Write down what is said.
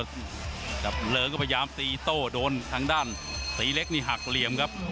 จับเริงก็พยายามตีโต้โดนทางด้านตีเล็กนี่หักเหลี่ยมครับ